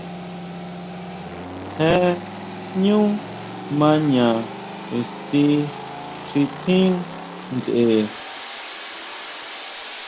Jee ʼñú maña ixti xi tjín ntʼe.